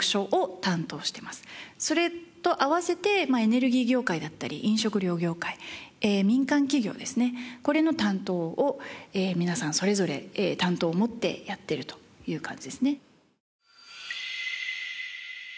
それと合わせてエネルギー業界だったり飲食料業界民間企業ですねこれの担当を皆さんそれぞれ担当を持ってやってるという感じですね。